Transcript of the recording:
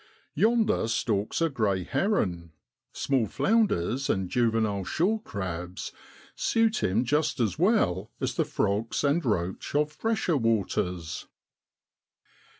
Yonder stalks a grey heron small flounders and juvenile shorecrabs suit him just as well as the frogs and roach of fresher waters.